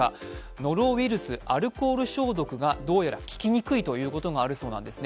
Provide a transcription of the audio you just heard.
ノロウイルス、アルコール消毒がどうやら効きにくいということがあるようです。